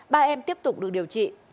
ba em tiếp tục được điều trị